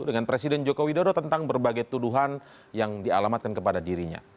dengan presiden joko widodo tentang berbagai tuduhan yang dialamatkan kepada dirinya